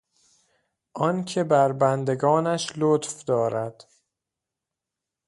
آنکه بر بندگانش لطف دارد